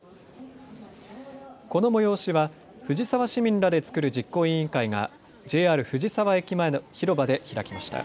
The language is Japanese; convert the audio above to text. この催しは藤沢市民らで作る実行委員会がＪＲ藤沢駅前の広場で開きました。